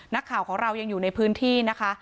นักข่าวของเรายังอยู่ในพื้นที่นะคะ